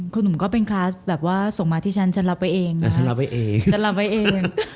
คุณหนุ่มก็เป็นคลาส์ส่งมาที่ฉันฉันรับไว้เอง